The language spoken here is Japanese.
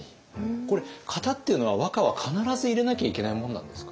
これ型っていうのは和歌は必ず入れなきゃいけないものなんですか？